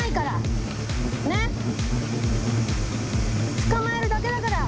捕まえるだけだから。